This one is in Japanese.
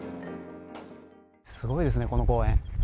すごいですね、この公園。